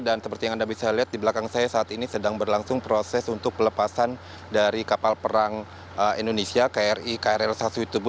dan seperti yang anda bisa lihat di belakang saya saat ini sedang berlangsung proses untuk pelepasan dari kapal perang indonesia kri krl sasu itubu